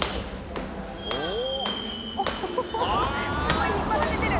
すごいひっぱられてる！